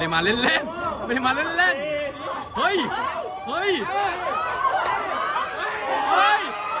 ไม่ได้มาเล่น